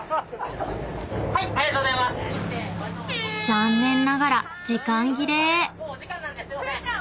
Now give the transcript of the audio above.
［残念ながら時間切れ］